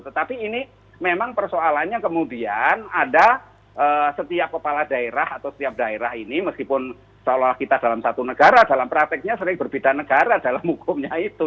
tetapi ini memang persoalannya kemudian ada setiap kepala daerah atau setiap daerah ini meskipun seolah olah kita dalam satu negara dalam prakteknya sering berbeda negara dalam hukumnya itu